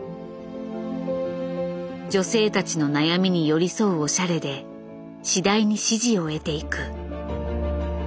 女性たちの悩みに寄り添うおしゃれで次第に支持を得ていく。